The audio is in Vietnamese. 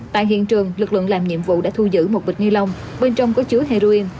tại hiện trường lực lượng làm nhiệm vụ đã thu giữ một bịch ni lông bên trong có chứa heroin